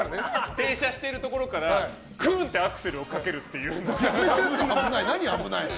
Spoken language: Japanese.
停車しているところからぶんってアクセルをかけるとか。